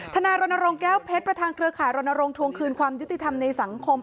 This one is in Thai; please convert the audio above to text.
นายรณรงค์แก้วเพชรประธานเครือข่ายรณรงค์ทวงคืนความยุติธรรมในสังคม